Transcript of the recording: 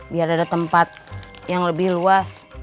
biar ada tempat yang lebih luas